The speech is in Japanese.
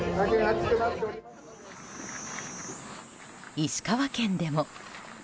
石川県でも。